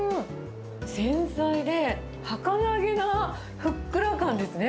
繊細ではかなげなふっくら感ですね。